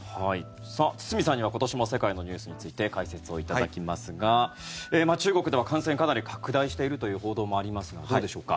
堤さんには今年も世界のニュースについて解説をいただきますが中国では感染がかなり拡大しているという報道もありますがどうでしょうか。